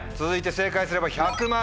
続いて正解すれば。